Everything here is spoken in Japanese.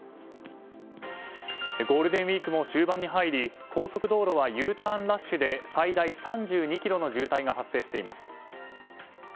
ゴールデンウィークも終盤に入り高速道路はＵターンラッシュで最大３２ｋｍの渋滞が発生しています。